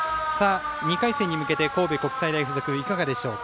２回戦に見受けて神戸国際大付属いかがでしょうか。